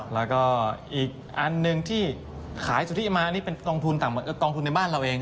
แล้วก็อีกอันหนึ่งที่ขายสุทธิมานี่เป็นกองทุนกองทุนในบ้านเราเอง